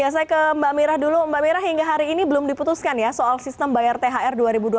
saya ke mbak mira dulu mbak mira hingga hari ini belum diputuskan ya soal sistem bayar thr dua ribu dua puluh